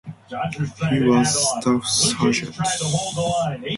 He was staff sergeant.